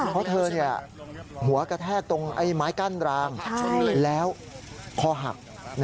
เพราะเธอหัวกระแทกตรงไม้กั้นรางแล้วคอหัก